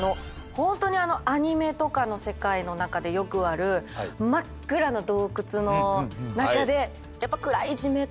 本当にアニメとかの世界の中でよくある真っ暗な洞窟の中でやっぱ暗いじめっとした